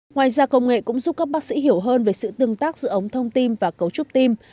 ngoài ra công nghệ cũng giúp các bác sĩ hiểu hơn về sự tương tác giữa ống thông tin và cấu trúc tim